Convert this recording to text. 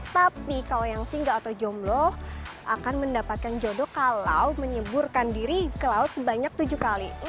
tapi kalau yang single atau jomblo akan mendapatkan jodoh kalau menyeburkan diri ke laut sebanyak tujuh kali